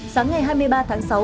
sáng ngày hai mươi ba tháng sáu